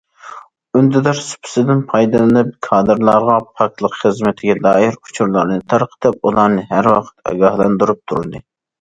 ئۈندىدار سۇپىسىدىن پايدىلىنىپ، كادىرلارغا پاكلىق خىزمىتىگە دائىر ئۇچۇرلارنى تارقىتىپ، ئۇلارنى ھەر ۋاقىت ئاگاھلاندۇرۇپ تۇردى.